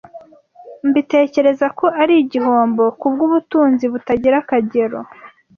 mbitekereza ko ari igihombo kubw’ubutunzi butagira akagero